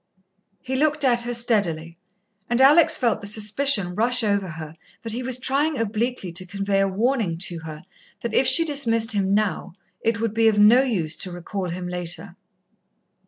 He looked at her steadily and Alex felt the suspicion rush over her that he was trying obliquely to convey a warning to her that if she dismissed him now, it would be of no use to recall him later.